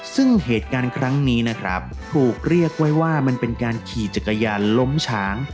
ซึ่งเหตุการณ์ครั้งนี้นะครับถูกเรียกไว้ว่ามันเป็นการขี่จักรยานล้มฉาง